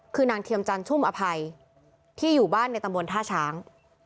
คือนางเทียมจันชุ่มอภัยที่อยู่บ้านในตำบลท่าช้าง